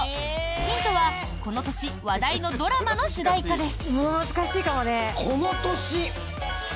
ヒントは、この年話題のドラマの主題歌です。